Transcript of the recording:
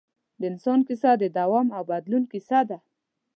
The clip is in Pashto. د انسان کیسه د دوام او بدلون کیسه ده.